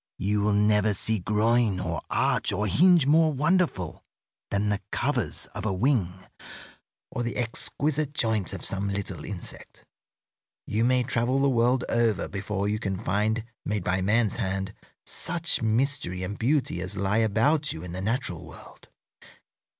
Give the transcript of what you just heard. You will never see groin or arch or hinge more wonderful than the covers of a wing or the exquisite joint of some little insect. You may travel the world over before you can find, made by man's hand, such mystery and beauty as lie about you in the natural world.